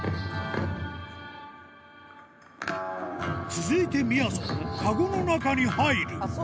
続いてみやぞんかごの中に入る